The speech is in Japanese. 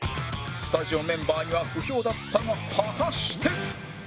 スタジオメンバーには不評だったが果たして